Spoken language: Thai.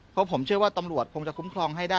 เพราะผมเชื่อว่าตำรวจคงจะคุ้มครองให้ได้